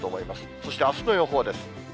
そしてあすの予報です。